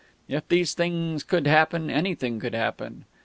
If these things could happen, anything could happen.